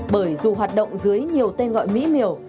bởi dù hoạt động dưới nhiều tên gọi mỹ miều